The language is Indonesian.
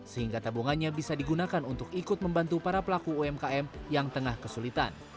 sehingga tabungannya bisa digunakan untuk ikut membantu para pelaku umkm yang tengah kesulitan